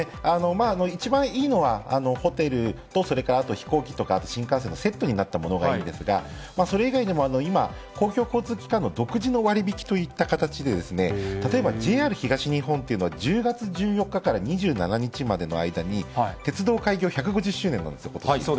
一番いいのは、ホテルとそれから飛行機とか新幹線のセットになったものがいいんですが、それ以外でも今、公共交通機関の独自の割引きといった形で、例えばＪＲ東日本というのは１０月１４日から２７日までの間に、鉄道開業１５０周年なんですよ、ことし。